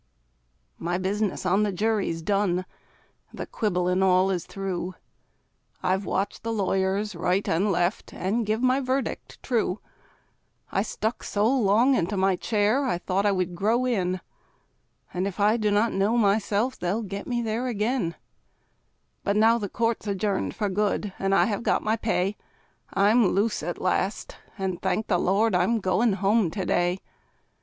My business on the jury's done the quibblin' all is through I've watched the lawyers right and left, and give my verdict true; I stuck so long unto my chair, I thought I would grow in; And if I do not know myself, they'll get me there ag'in; But now the court's adjourned for good, and I have got my pay; I'm loose at last, and thank the Lord, I'm going home to day.